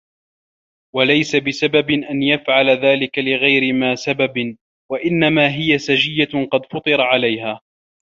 وَلَيْسَ بِسَبَبٍ أَنْ يَفْعَلَ ذَلِكَ لِغَيْرِ مَا سَبَبٍ وَإِنَّمَا هِيَ سَجِيَّةٌ قَدْ فُطِرَ عَلَيْهَا